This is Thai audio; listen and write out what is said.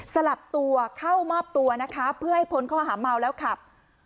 สลับตัวเข้ามอบตัวนะคะเพื่อให้พ้นข้อหาเมาแล้วขับ